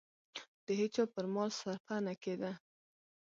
د هېچا پر مال صرفه نه کېده.